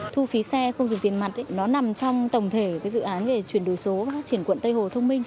thu phí xe không dùng tiền mặt nó nằm trong tổng thể cái dự án về chuyển đổi số và phát triển quận tây hồ thông minh